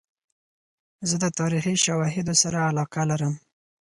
زه د تاریخي شواهدو سره علاقه لرم.